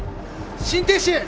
心停止！